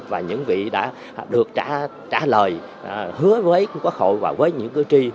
và những vị đã được trả lời hứa với quốc hội và với những cử tri